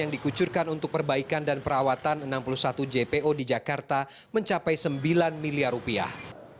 yang dikucurkan untuk perbaikan dan perawatan enam puluh satu jpo di jakarta mencapai sembilan miliar rupiah